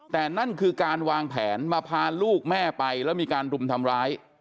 แต่นั่นคือการวางแผนมาพาลูกแม่ไปแล้วมีการรุมทำร้าย